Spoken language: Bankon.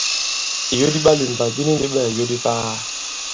Ìyo di ɓalìmbà di ni ndi ɓɛɛ ìyo di ifaa.